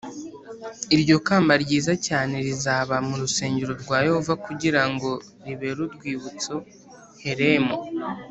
Iryo kamba ryiza cyane rizaba mu rusengero rwa yehova kugira ngo ribere urwibutso helemu